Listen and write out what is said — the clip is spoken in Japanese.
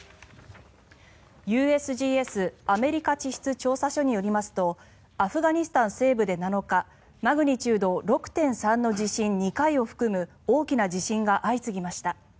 ＵＳＧＳ・アメリカ地質調査所によりますとアフガニスタン西部で７日マグニチュード６．３の地震２回を含む大きな地震が相次ぎました。